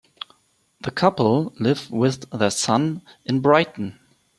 The couple live with their son in Brighton.